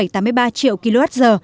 ba triệu kwh